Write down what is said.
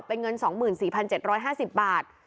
เป็นเงิน๒๔๗๕๐บาท